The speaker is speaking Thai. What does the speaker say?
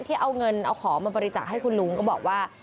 ที่เอาเงินเอาของมาบริจาคให้คุณลุงก็บอกว่า